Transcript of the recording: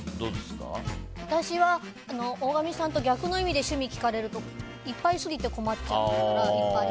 私は大神さんと逆の意味で趣味を聞かれるといっぱいありすぎて困っちゃう。